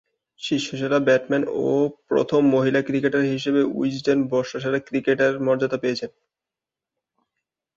শীর্ষসারির batsman ও প্রথম মহিলা ক্রিকেটার হিসেবে উইজডেন বর্ষসেরা ক্রিকেটারের মর্যাদা পেয়েছেন।